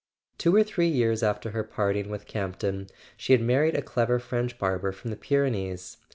Two or three years after her parting with Campton she had married a clever French barber from the Pyrenees.